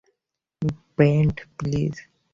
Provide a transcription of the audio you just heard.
ব্রেন্ট, please!